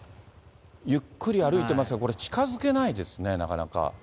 ゆっくり歩いてますが、これ、近づけないですね、なかなか。